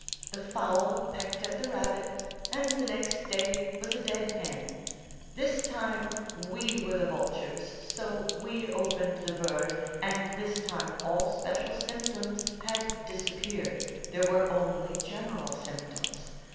The fowl pecked at the rabbit, and the next day was a dead hen. This time we were the vultures; so we opened the bird, and this time all special symptoms had disappeared, there were only general symptoms.